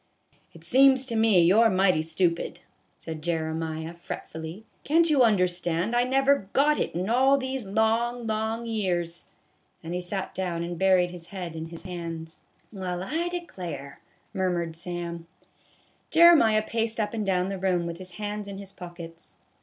"" It seems to me you 're mighty stupid," said Jere miah, fretfully ;" can't you understand, I never got it in all these long, long years ?" and he sat down and buried his head in his hands. 1 66 A BAG OF POP CORN. " Well, I declare !" murmured Sam. Jeremiah paced up and down the room with his hands in his pockets.